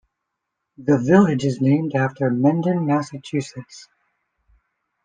The village is named after Mendon, Massachusetts.